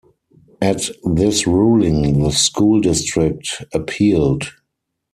At this ruling, the school district appealed.